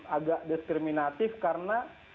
agak diskriminatif karena